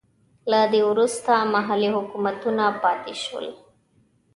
له دې وروسته محلي حکومتونه پاتې شول.